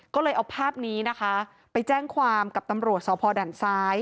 ก็เลยเอาภาพนี้ไปแจ้งความกับตำรวจสพดซ